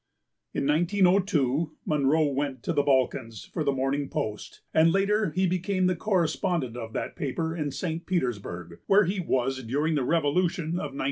In 1902 Munro went to the Balkans for the Morning Post, and later he became the correspondent of that paper in St. Petersburg, where he was during the revolution of 1905.